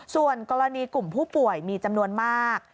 ส่วนกรณีกลุ่มผู้ป่วยมีจำนวนมาก